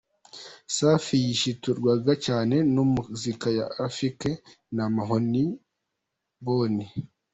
Safi yashiturwaga cyane na muzika ya Rafiki na Mahoni boni.